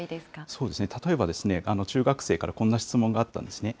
そうですね、例えば中学生からこんな質問があったんですね。